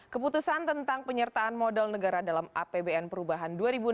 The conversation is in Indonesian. keputusan tentang penyertaan modal negara dalam apbn perubahan dua ribu enam belas